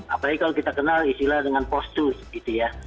apalagi kalau kita kenal istilah dengan postus gitu ya